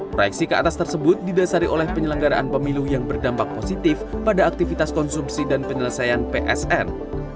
proyeksi keatas tersebut didasari oleh penyelenggaraan pemilu yang berdampak positif pada aktivitas konsumsi dan penyelesaian psn